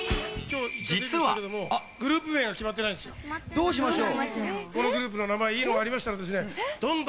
・どうしましょう？